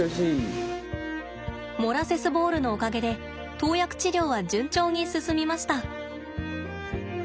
モラセスボールのおかげで投薬治療は順調に進みました。